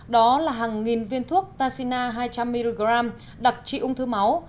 đó là hàng nghìn viên thuốc tasina hai trăm linh mg đặc trị ung thư máu